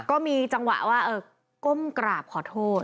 ก็มีจังหวะว่าก้มกราบขอโทษ